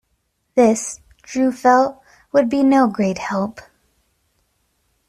This, Drew felt, would be no great help.